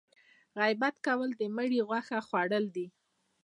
غیبت کول د مړي غوښه خوړل دي